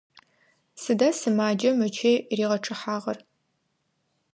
Сыда сымаджэм ычый ригъэчъыхьагъэр?